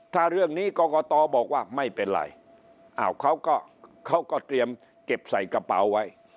ถ้าเรื่องนี้กรกตบอกว่าไม่เป็นไรเขาก็เขาก็เตรียมเก็บใส่กระเป๋าไว้